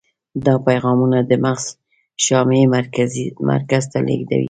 دا پیغامونه د مغزو شامعي مرکز ته لیږدوي.